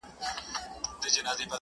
که دي قسمته ازلي وعده پښېمانه سوله!